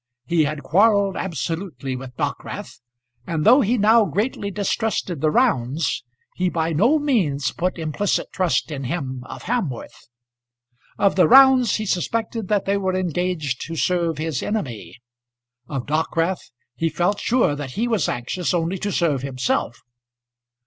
He had quarrelled absolutely with Dockwrath, and though he now greatly distrusted the Rounds, he by no means put implicit trust in him of Hamworth. Of the Rounds he suspected that they were engaged to serve his enemy, of Dockwrath he felt sure that he was anxious only to serve himself.